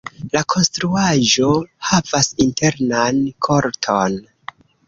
La konstruaĵo havas internan korton.